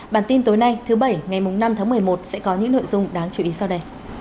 bản tin tối nay thứ bảy ngày năm tháng một mươi một sẽ có những nội dung đáng chú ý sau đây